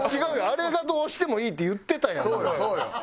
あれがどうしてもいいって言ってたやん。